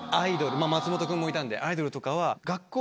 まぁ松本くんもいたんでアイドルとかは。